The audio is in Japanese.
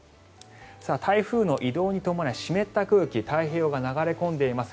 台風の移動に伴い湿った空気が太平洋側、流れ込んでいます。